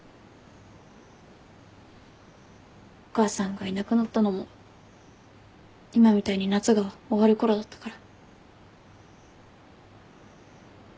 お母さんがいなくなったのも今みたいに夏が終わる頃だったから。